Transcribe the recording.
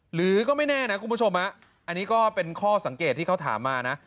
หรือไม่แน่นะคุณผู้ชมอันนี้ก็เป็นข้อสังเกตที่เขาถามมานะ